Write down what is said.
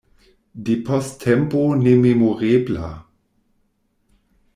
Depost tempo nememorebla.